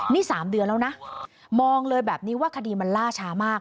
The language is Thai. นี่๓เดือนแล้วนะมองเลยแบบนี้ว่าคดีมันล่าช้ามาก